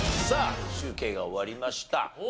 さあ集計が終わりました。